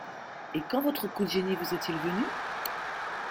Et quand votre coup de génie vous est-il venu?